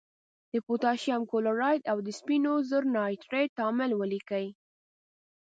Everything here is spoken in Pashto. د پوتاشیم کلورایډ او د سپینو زور نایتریت تعامل ولیکئ.